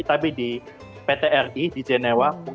biasanya di pt ri brenin relie